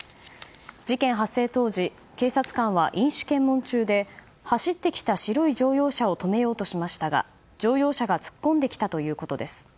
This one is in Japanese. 事件発生当時警察官は飲酒検問中で走ってきた白い乗用車を止めようとしましたが乗用車が突っ込んできたということです。